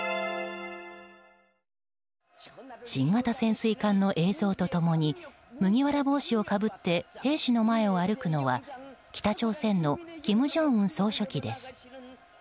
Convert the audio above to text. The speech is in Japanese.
新型潜水艦の映像と共に麦わら帽子をかぶって兵士の前を歩くのは北朝鮮の金正恩総書記です。